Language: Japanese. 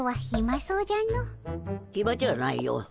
ひまじゃないよ。